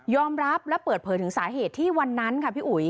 รับและเปิดเผยถึงสาเหตุที่วันนั้นค่ะพี่อุ๋ย